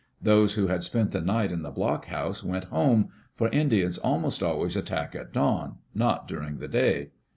Those who had spent the night in the blockhouse went home, for Indians almost always attack at dawn, not during the day.